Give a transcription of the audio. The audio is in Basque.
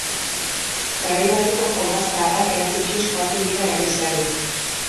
Garai bateko jolas zaharrak erakutsiz joaten dira herriz herri.